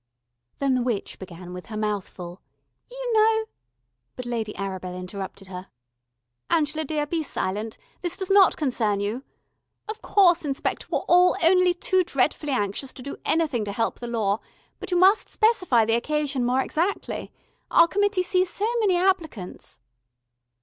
Then the witch began with her mouth full: "You know ," but Lady Arabel interrupted her. "Angela dear, be silent. This does not concern you. Of course, inspector, we're all only too dretfully anxious to do anything to help the Law, but you must specify the occasion more exactly. Our committee sees so many applicants."